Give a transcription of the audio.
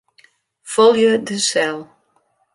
Folje de sel.